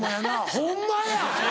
ホンマや！